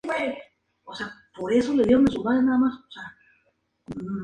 A veces, las clases poltergeist demuestran la necesidad de una arquitectura más compleja.